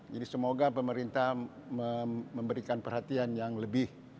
jadi semoga pemerintah memberikan perhatian yang lebih